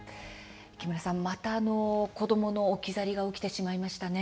木村さん、また子どもの置き去りが起きてしまいましたね。